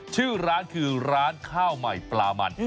ชื่อร้านคือร้านข้าวใหม่ปลามัน